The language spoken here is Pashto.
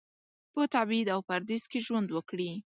په تبعید او پردیس کې ژوند وکړي.